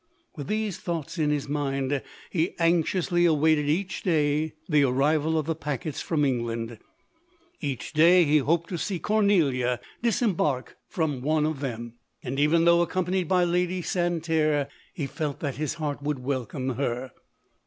With these thoughts in his mind, lie anxiously awaited each day the ar rival of the packets from England. Each day lie hoped to see Cornelia disembark from one of 190 LODORE. them ; and even though accompanied by Lady Santerre, he felt that his heart would welcome her.